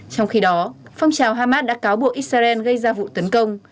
trong khi đó phong trào hamas đã cáo buộc israel gây ra vụ tấn công